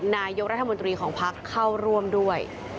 นายกรัฐมนตรีของพักเข้าร่วมด้วย